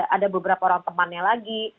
ada beberapa orang temannya lagi